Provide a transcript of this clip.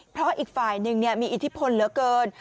เพราะอีกฝ่ายหนึ่งมีอิทธิพลเหลือเกิน